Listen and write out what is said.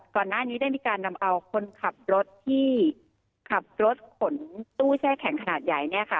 ก่อนหน้านี้ได้มีการนำเอาคนขับรถที่ขับรถขนตู้แช่แข็งขนาดใหญ่เนี่ยค่ะ